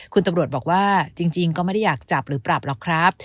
คุณตำรวจบอกว่าจริงก็ไม่ได้อยากจับหรือปรับหรอกครับ